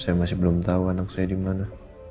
saya masih belum tahu anak saya di mana